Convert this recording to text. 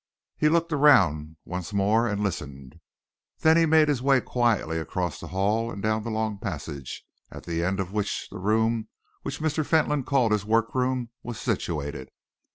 He looked around once more and listened. Then he made his way quietly across the hall and down the long passage, at the end of which the room which Mr. Fentolin called his workroom was situated.